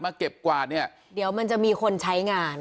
เก็บกวาดเนี่ยเดี๋ยวมันจะมีคนใช้งาน